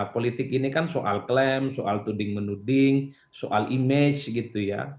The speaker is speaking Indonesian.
politik ini kan soal klaim soal tuding menuding soal image gitu ya